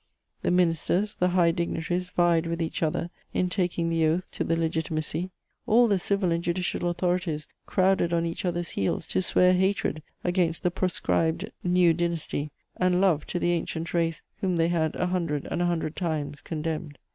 The ministers, the high dignitaries vied with each other in taking the oath to the Legitimacy; all the civil and judicial authorities crowded on each other's heels to swear hatred against the proscribed new dynasty and love to the ancient race whom they had a hundred and a hundred times condemned.